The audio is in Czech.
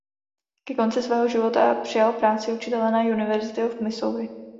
Ke konci svého života přijal práci učitele na University of Missouri.